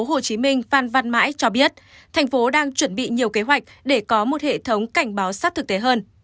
chủ tịch ubnd tp hcm phan văn mãi cho biết thành phố đang chuẩn bị nhiều kế hoạch để có một hệ thống cảnh báo sắp thực tế hơn